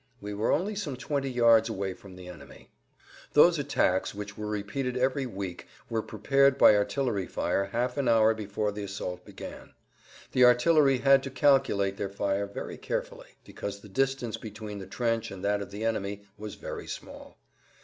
We were only some twenty yards away from the enemy. Those attacks, which were repeated every week, were prepared by artillery fire half an hour before the assault began. The artillery had to calculate their fire very carefully, because the distance between the trench and that of the enemy was very small.